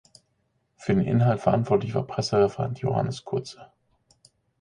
Für den Inhalt verantwortlich war Pressereferent Johannes Kurze.